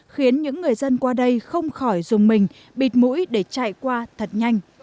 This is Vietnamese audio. khiến những người dân qua đây không khỏi dùng mình bịt mũi để chạy qua thật nhanh